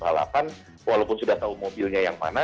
kemudian ikut dalam perusahaan walaupun sudah tahu mobilnya yang mana